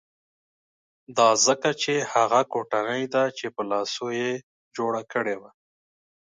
دا ځکه چې هغه کوټنۍ ده چې په خپلو لاسو یې جوړه کړې وه.